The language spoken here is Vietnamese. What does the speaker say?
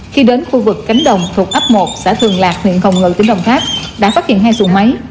khi đến khu vực cánh đồng thuộc ấp một xã thường lạc huyện hồng ngự tỉnh đồng tháp đã phát hiện hai xuồng máy